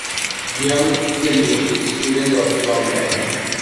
Young, Fielding is student of John Valley.